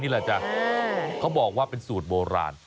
แหละจ้ะเขาบอกว่าเป็นสูตรโบราณ